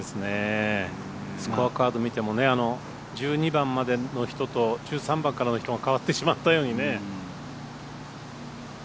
スコアカード見ても１２番までの人と１３番からの人が変わってしまったように。